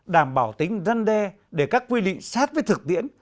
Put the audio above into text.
đảm bảo tính răn đe để các quy định sát với thực tiễn